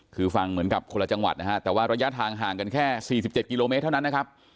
คือฟังเหมือนกับคนละจังหวัดนะฮะแต่ว่าระยะทางห่างกันแค่๔๗กิโลเมตรเท่านั้นนะครับ